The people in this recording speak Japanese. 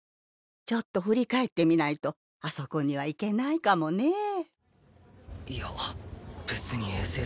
ちょっと振り返ってみないとあそこには行けないかもねぇ。